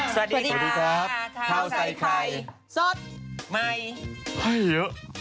สวัสดีครับข้าวใส่ไข่สดใหม่ให้เยอะ